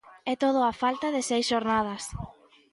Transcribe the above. E todo á falta de seis xornadas.